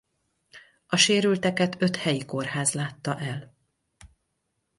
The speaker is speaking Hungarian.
A sérülteket öt helyi kórház látta el.